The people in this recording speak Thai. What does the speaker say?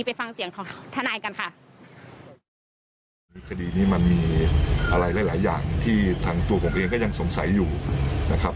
ไปฟังเสียงของทนายกันค่ะคือคดีนี้มันมีอะไรหลายหลายอย่างที่ทางตัวผมเองก็ยังสงสัยอยู่นะครับ